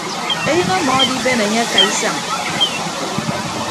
Eyịn ọmọ adiben enye akaaisañ.